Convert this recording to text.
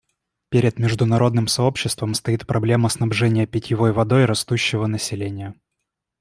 Перед международным сообществом стоит проблема снабжения питьевой водой растущего населения.